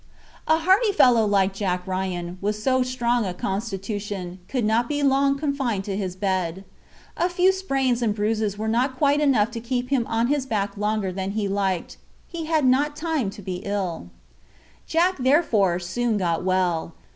A hearty fellow like Jack Ryan, with so strong a constitution, could not be long confined to his bed. A few sprains and bruises were not quite enough to keep him on his back longer than he liked. He had not time to be ill. Jack, therefore, soon got well.